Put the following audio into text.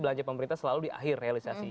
belanja pemerintah selalu di akhir realisasi